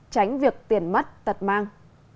tránh việc tiền mất tật mang